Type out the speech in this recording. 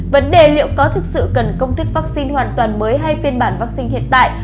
vấn đề liệu có thực sự cần công thức vaccine hoàn toàn mới hay phiên bản vaccine hiện tại